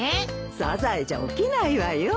サザエじゃ起きないわよ。